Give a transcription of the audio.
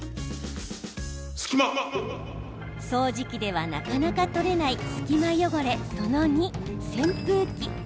掃除機ではなかなか取れない隙間汚れ、その２、扇風機。